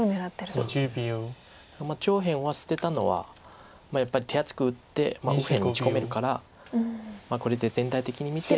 上辺は捨てたのはやっぱり手厚く打って右辺に打ち込めるからこれで全体的に見て。